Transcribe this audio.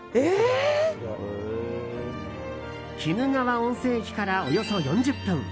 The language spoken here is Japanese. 鬼怒川温泉駅からおよそ４０分。